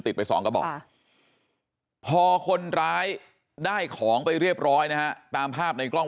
ไปสองกระบอกพอคนร้ายได้ของไปเรียบร้อยนะฮะตามภาพในกล้อง